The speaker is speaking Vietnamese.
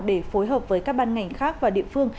để phối hợp với các ban ngành khác và địa phương